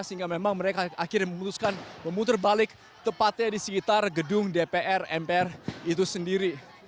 sehingga memang mereka akhirnya memutuskan memutar balik tepatnya di sekitar gedung dpr mpr itu sendiri